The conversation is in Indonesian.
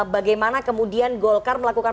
bagaimana kemudian golkar melakukan